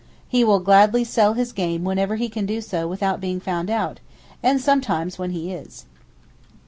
He will gladly sell his game whenever he can do so without being found out, and sometimes when he is.